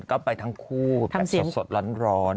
ก็ไปทั้งคู่แบบสดร้อนเลยจริง